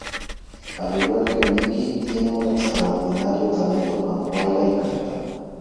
Al igual que Mickey, tiene un extraordinario talento cuando baila y canta.